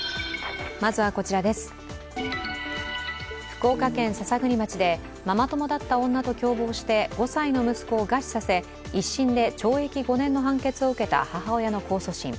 福岡県篠栗町でママ友だった女と共謀して５歳の息子を餓死させ１審で懲役５年の判決を受けた母親の控訴審。